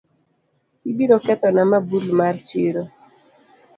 Ibiro kethona mabul mar chiro